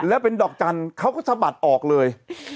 แล้วเป็นดอกจันทร์เขาก็สะบัดออกเลย